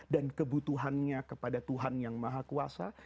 dan kebutuhannya kepada tuhan yang maha kuasa